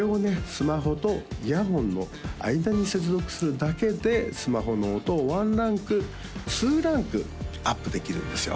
スマホとイヤホンの間に接続するだけでスマホの音をワンランクツーランクアップできるんですよ